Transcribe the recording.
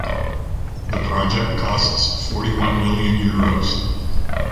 The project costs forty one million Euros.